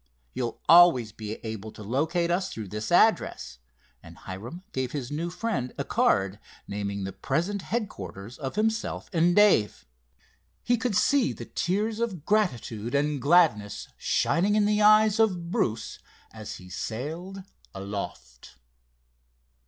You'll always be able to locate us through this address," and Hiram gave his new friend a card, naming the present headquarters of himself and Dave. He could see the tears of gratitude and gladness shining in the eyes of Bruce as he sailed aloft.